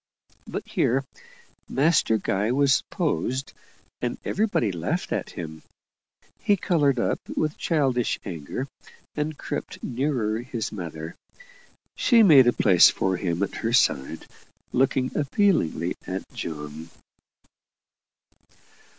But here Master Guy was posed, and everybody laughed at him. He coloured up with childish anger, and crept nearer his mother. She made a place for him at her side, looking appealingly at John.